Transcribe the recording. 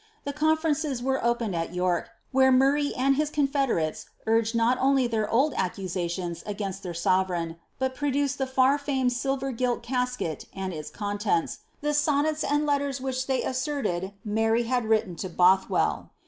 The confereneei were opened at York, where Murray and his confederates urged DOl only their old accusations against their sovereign, but proiluced the Gu^ famed silver gilt casket and its contents, the sonnets and letters whiell they asserted Mary had written to Bothwell.'